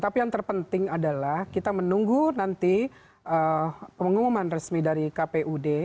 tapi yang terpenting adalah kita menunggu nanti pengumuman resmi dari kpud